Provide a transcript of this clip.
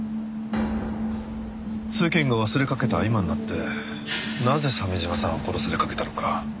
世間が忘れかけた今になってなぜ鮫島さんは殺されかけたのか。